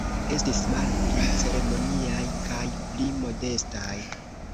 Estis malpli ceremoniaj kaj pli modestaj.